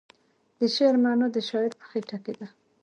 د شعر معنی د شاعر په خیټه کې ده.